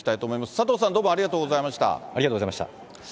佐藤さん、どうもありがとうござありがとうございました。